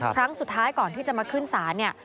ครั้งสุดท้ายก่อนที่จะมาขึ้นศาลเนี่ย